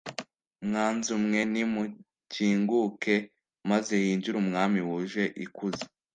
mwanzu mwe nimukinguke, maze hinjire umwami wuje ikuzo